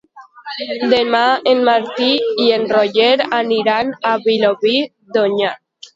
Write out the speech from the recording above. Demà en Martí i en Roger aniran a Vilobí d'Onyar.